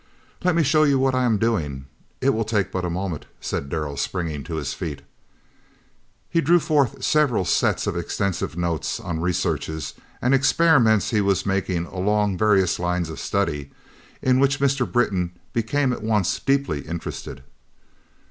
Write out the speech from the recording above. "Let me show you what I am doing; it will take but a moment," said Darrell, springing to his feet. He drew forth several sets of extensive notes on researches and experiments he was making along various lines of study, in which Mr. Britton became at once deeply interested.